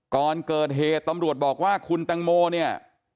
ก่อนเกิดเหตุตำรวจบอกว่าคุณตังโมเนี่ย